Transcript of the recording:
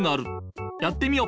やってみよ。